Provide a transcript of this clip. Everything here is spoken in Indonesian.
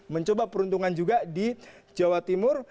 mencoba peruntungan juga di jawa timur